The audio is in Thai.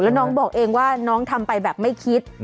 แล้วน้องบอกเองว่าน้องทำไปแบบไม่คิด